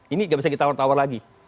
ini nggak bisa ditawar tawar lagi